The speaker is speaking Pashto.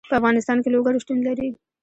په افغانستان کې لوگر شتون لري.